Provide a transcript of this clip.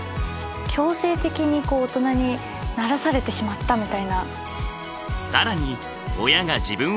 強制的に大人にならされてしまったみたいな。